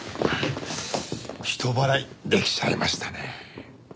人払いできちゃいましたねえ。